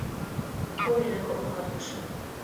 戈梅人口变化图示